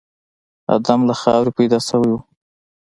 ادم له خاورې پيدا شوی و.